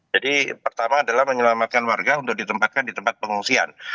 jadi pertama adalah menyelamatkan warga untuk ditempatkan di tempat pengungsian